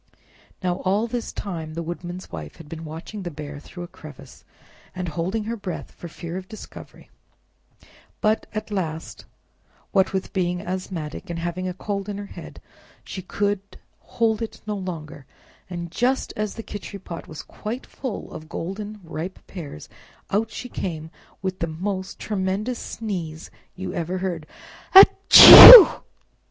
Now all this time the Woodman's Wife had been watching the Bear through a crevice, and holding her breath for fear of discovery; but, at last, what with being asthmatic, and having a cold in her head, she could hold it no longer, and just as the Khichri pot was quite full of golden ripe pears, out she came with the most tremendous sneeze you ever heard—"A h che u!"